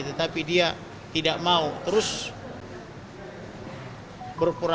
tetapi dia tidak mau terus berpura